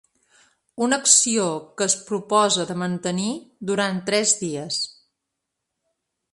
Una acció que es proposa de mantenir durant tres dies.